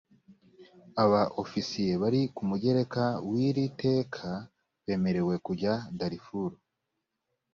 aba ofisiye bari ku mugereka w iri teka bemerewe kujya darifuru